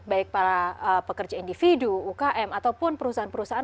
baik para pekerja individu ukm ataupun perusahaan perusahaan